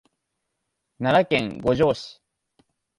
奈良県五條市